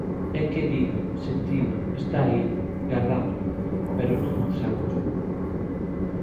É querido, sentido, está aí, gardámolo, pero non o usamos.